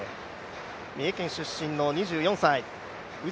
三重県出身２４歳。